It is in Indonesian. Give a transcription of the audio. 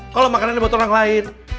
kalau makanannya buat orang lain